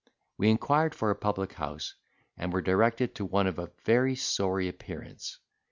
We inquired for a public house, and were directed to one of a very sorry appearance.